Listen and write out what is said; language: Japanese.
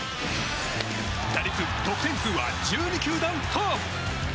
打率、得点数は１２球団トップ。